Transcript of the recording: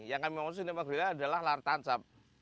yang kami maksud cinema gerilya adalah lar tancap